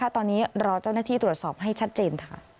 ตอนนี้รอเจ้าหน้าที่ตรวจสอบให้ชัดเจน